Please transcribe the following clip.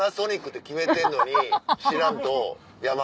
知らんと。